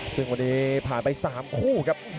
ซึ่งวันนี้ผ่านไป๓คู่ครับ